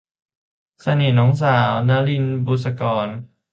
เสน่ห์น้องสาว - นลิน บุษกร